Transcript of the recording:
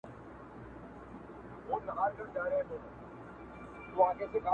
سر څه په يوه لوټه سپېره، څه په شلو.